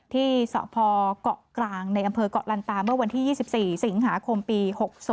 ที่สพเกาะกลางในอำเภอกเกาะลันตาเมื่อวันที่๒๔สิงหาคมปี๖๒